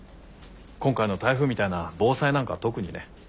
今回の台風みたいな防災なんかは特にね。